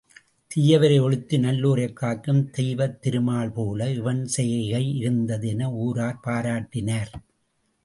தீயவரை ஒழித்து நல்லோரைக் காக்கும் தெய்வத் திருமால் போல இவன் செய்கை இருந்தது என ஊரார் பாராட்டினர்.